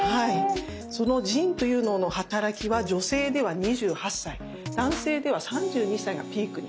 その腎というのの働きは女性では２８歳男性では３２歳がピークに。